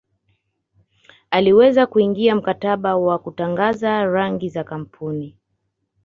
aliweza kuingia mkataba wa kutangaza rangi za kampuni